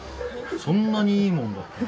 そんなにいいものだったら。